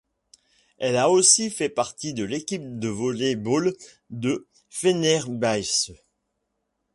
Elle a aussi fait partie de l'équipe de volley-ball de Fenerbahçe.